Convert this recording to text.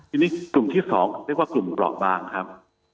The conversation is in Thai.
ทีนี้กลุ่มที่๒เรียกว่ากลุ่มเปราะบางครับ